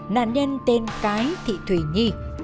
nạn nhân tên cái thị thủy nhi